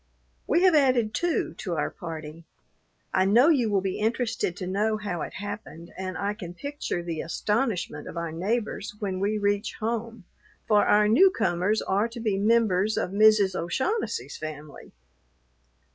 We have added two to our party. I know you will be interested to know how it happened, and I can picture the astonishment of our neighbors when we reach home, for our newcomers are to be members of Mrs. O'Shaughnessy's family.